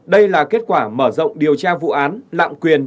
đây là kết quả mở rộng điều tra vụ án lạm quyền